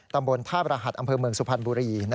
ตำบลท่าบรหัสอำเภอเมืองสุพรรณบุรี